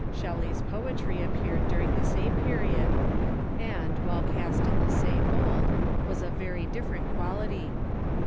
Shelley's poetry appeared during the same period, and, while cast in the same mould, was of very different quality.